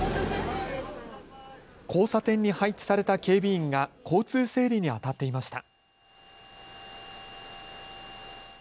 交差点に配置された警備員が交通整理にあたっていました。